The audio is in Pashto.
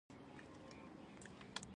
تخصیص د پیسو منظوري ده